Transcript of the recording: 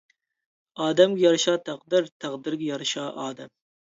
ئادەمگە يارىشا تەقدىر، تەقدىرگە يارىشا ئادەم!